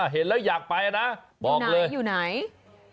เห็นแล้วอยากไปนะบอกเลยอยู่ไหน